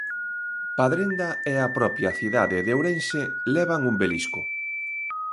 Padrenda e a propia cidade de Ourense levan un belisco.